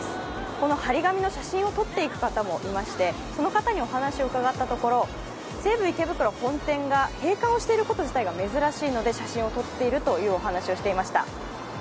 この貼り紙の写真を撮っていく方もいましてその方にお話を伺ったところ、西武池袋本店が閉館していること自体が珍しいので写真を撮っているというお話をしていました。